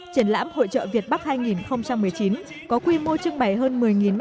triển lãm hội trợ việt bắc hai nghìn một mươi chín có quy mô trưng bày hơn một mươi m hai